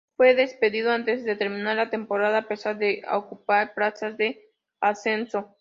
Fue despedido antes de terminar la temporada, a pesar de ocupar plazas de ascenso.